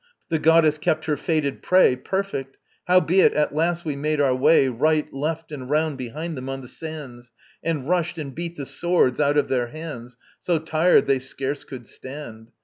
The goddess kept her fated prey Perfect. Howbeit, at last we made our way Right, left and round behind them on the sands, And rushed, and beat the swords out of their hands, So tired they scarce could stand.